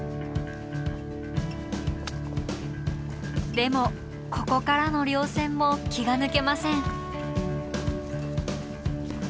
でもここからの稜線も気が抜けません。